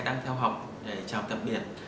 đang theo học để chào tạm biệt